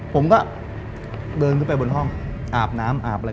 ผมก็เดินขึ้นไปบนห้องอาบน้ำอาบอะไร